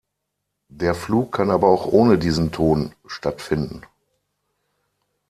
Der Flug kann aber auch ohne diesen Ton stattfinden.